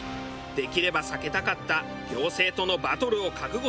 できれば避けたかった行政とのバトルを覚悟した秋山。